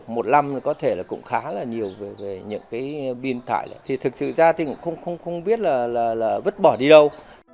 một năm có thể là cũng khá là nhiều về những cái pin thải thì thực sự ra thì cũng không biết là vứt bỏ đi đâu